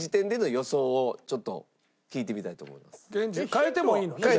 変えてもいいの？